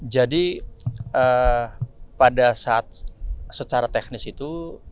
pada saat secara teknis itu